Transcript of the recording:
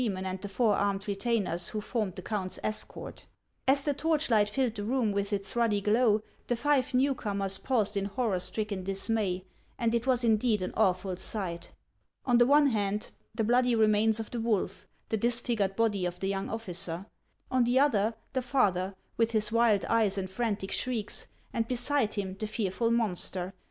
mon and the four armed retainers who formed the count's escort. As the torchlight filled the room with its ruddy glow, the five new comers paused in horror stricken dismay ; and it was indeed an awful sight. On the one hand, the bloody remains of the wolf, the disfigured body of the young officer; on the other, the father, with his wild eyes and frantic shrieks ; and beside him the fearful monster, HANS OF ICELAND.